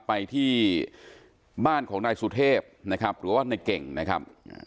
ไปที่บ้านของนายสุเทพนะครับหรือว่าในเก่งนะครับ